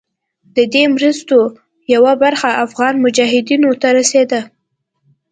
د دې مرستو یوه برخه افغان مجاهدینو ته رسېده.